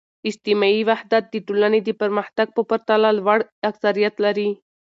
اجتماعي وحدت د ټولنې د پرمختګ په پرتله لوړ اکثریت لري.